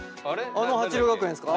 あの鉢涼学園ですか？